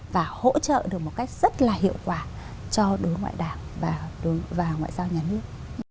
và hỗ trợ được một cách rất là hiệu quả cho đối ngoại đảng và ngoại giao nhà nước